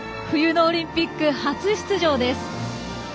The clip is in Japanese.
冬のオリンピック初出場です。